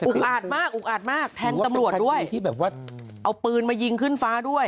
อุ้งอาดมากอุ้งอาดมากแทนตำรวจด้วยเอาปืนมายิงขึ้นฟ้าด้วย